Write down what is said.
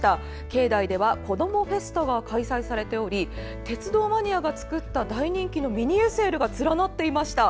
境内では子どもフェスタが開催されており鉄道マニアが造った、大人気のミニＳＬが連なっていました。